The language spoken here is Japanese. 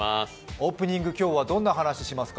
オープニング、今日はどんな話をしますか？